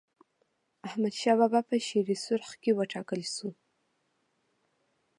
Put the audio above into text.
احمدشاه بابا په شیرسرخ کي و ټاکل سو.